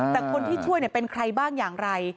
แต่คนที่ช่วยเป็นใครบ้างอย่างไร